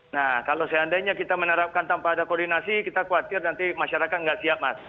nah kalau seandainya kita menerapkan tanpa ada koordinasi kita khawatir nanti masyarakat nggak siap mas